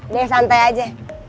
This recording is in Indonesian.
nih santai aja